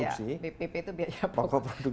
bpp itu biaya pokok